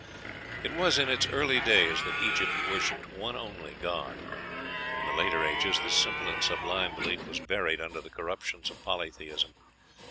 It was in its early days that Egypt worshipped one only God; in the later ages this simple and sublime belief was buried under the corruptions of polytheism.